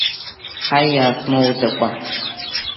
Ҳаи, иаасмоуӡакәа!